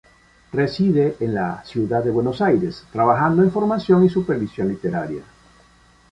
Reside en la ciudad de Buenos Aires, trabajando en formación y supervisión literaria.